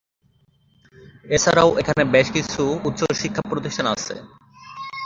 এছাড়াও এখানে বেশ কিছু উচ্চশিক্ষা প্রতিষ্ঠান আছে।